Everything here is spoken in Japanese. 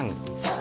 あ！